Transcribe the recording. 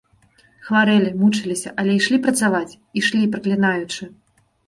Хварэлі, мучыліся, але ішлі працаваць, ішлі праклінаючы.